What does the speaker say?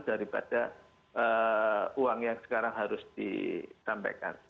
daripada uang yang sekarang harus disampaikan